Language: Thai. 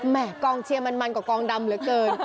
กองเชียร์มันกว่ากองดำเหลือเกิน